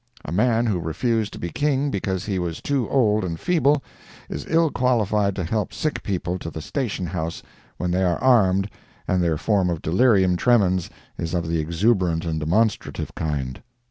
A man who refused to be king because he was too old and feeble, is ill qualified to help sick people to the station house when they are armed and their form of delirium tremens is of the exuberant and demonstrative kind.